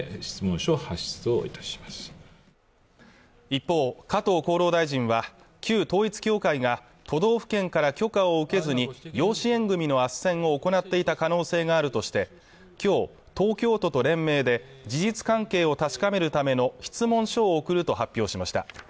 一方加藤厚労大臣は旧統一教会が都道府県から許可を受けずに養子縁組のあっせんを行っていた可能性があるとして今日東京都と連名で事実関係を確かめるための質問書を送ると発表しました